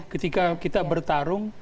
ketika kita bertarung